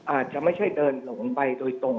อาจจะไม่ใช่เดินหลงไปโดยตรง